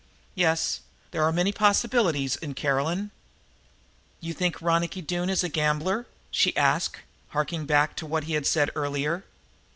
Yes, there are many possibilities in Caroline." "You think Ronicky Doone is a gambler?" she asked, harking back to what he had said earlier.